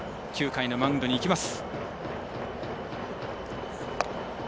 ９回のマウンドにいきます。